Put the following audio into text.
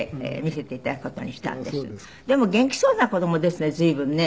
でも元気そうな子供ですね随分ね。